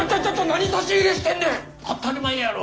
当たり前やろ。